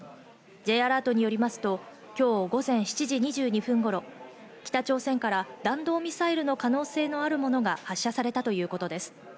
Ｊアラートによりますと、今日、午前７時２２分頃、北朝鮮から弾道ミサイルの可能性のあるものが発射されたということです。